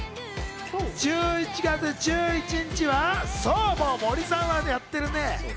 １１月１１日はそう、森さんはやってるね？